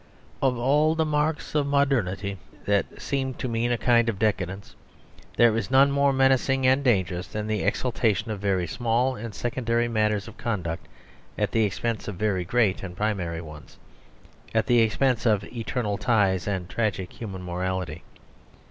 Of all the marks of modernity that seem to mean a kind of decadence, there is none more menacing and dangerous than the exultation of very small and secondary matters of conduct at the expense of very great and primary ones, at the expense of eternal ties and tragic human morality.